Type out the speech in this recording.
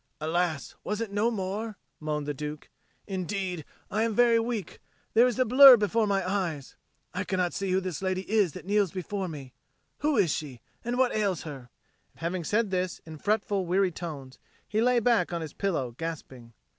"Alas, was it no more?" moaned the Duke. "Indeed, I am very weak; there is a blur before my eyes. I cannot see who this lady is that kneels before me. Who is she, and what ails her?" And having said this in fretful weary tones, he lay back on his pillow gasping.